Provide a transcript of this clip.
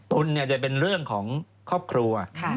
ตุลจะเป็นเรื่องของครอบครัว